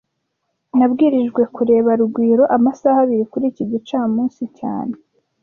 Nabwirijwe kureba Rugwiro amasaha abiri kuri iki gicamunsi cyane